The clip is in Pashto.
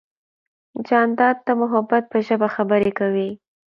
جانداد د محبت په ژبه خبرې کوي.